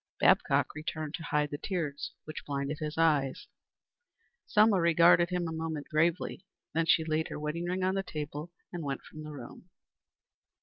Babcock turned to hide the tears which blinded his eyes. Selma regarded him a moment gravely, then she laid her wedding ring on the table and went from the room.